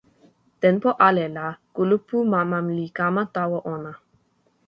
tenpo ale la kulupu mama li kama tawa ona.